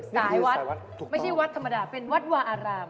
หลายวัดไม่ใช่วัดธรรมดาเป็นวัดวาอาราม